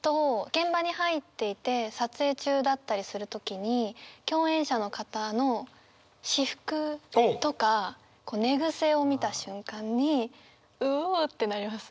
現場に入っていて撮影中だったりする時に共演者の方の私服とか寝癖を見た瞬間にうおってなります。